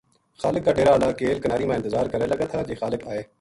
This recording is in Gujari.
خالق کا ڈیرا ہالا کیل کناری ما انتظار کرے لگا تھا جے خالق آئے